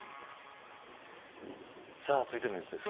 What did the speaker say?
続いてのニュースです。